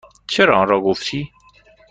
چرا آنرا گفتی؟